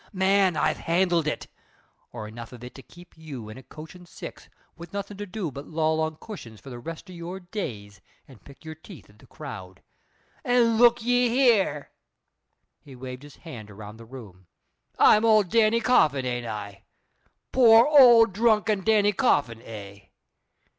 Man, I've handled it, or enough of it to keep you in a coach an' six, with nothing to do but loll on cushions for the rest o' your days, an' pick your teeth at the crowd. And look ye here." He waved a hand around the room. "I'm old Danny Coffin, ain't I? poor old drunken Danny Coffin, eh?